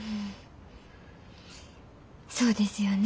そうですよね。